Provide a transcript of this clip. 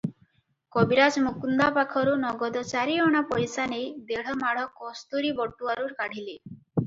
କବିରାଜ ମୁକୁନ୍ଦା ପାଖରୁ ନଗଦ ଚାରିଅଣା ପଇସା ନେଇ ଦେଢ଼ ମାଢ଼ କସ୍ତୁରୀ ବଟୁଆରୁ କାଢ଼ିଲେ ।